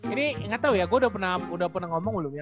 ini nggak tahu ya gue udah pernah ngomong belum ya